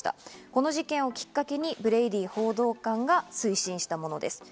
この事件をきっかけにブレイディ報道官が推進したものです。